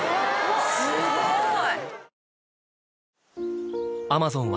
すごい！